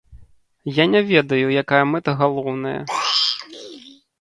Я не ведаю, якая мэта галоўная.